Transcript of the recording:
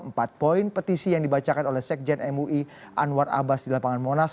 empat poin petisi yang dibacakan oleh sekjen mui anwar abbas di lapangan monas